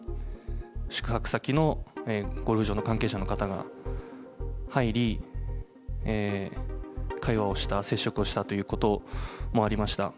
宿泊先のゴルフ場の関係者の方が入り、会話をした、接触をしたということもありました。